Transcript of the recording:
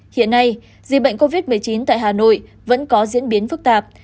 hiện nay dịch bệnh covid một mươi chín tại hà nội vẫn có diễn biến phức tạp